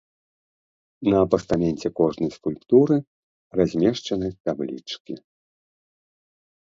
На пастаменце кожнай скульптуры размешчаны таблічкі.